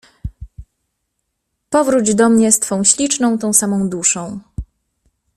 Powróć do mnie z twą śliczną, tą samą duszą!